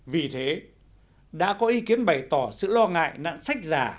vì thế đã có ý kiến bày tỏ sự lo ngại nạn sách giả